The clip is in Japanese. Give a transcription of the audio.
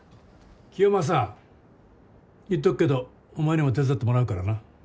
清正言っとくけどお前にも手伝ってもらうからな。